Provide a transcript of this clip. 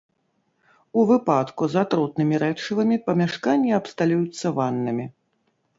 У выпадку з атрутнымі рэчывамі памяшканні абсталююцца ваннамі.